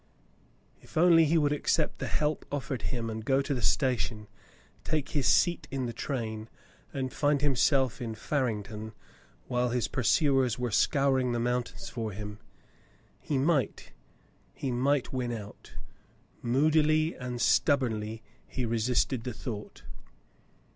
If only he would accept the help offered him and go to the station, take his seat in the train, and find himself in Farington, while still his pursuers were scouring the mountains for him, he might — he might win out. Moodily and stub bornly he resisted the thought.